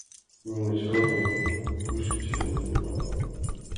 — Немычродым кӱшычын ужнем, мане.